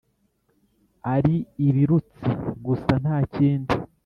ari ibirutsi gusa ntakindi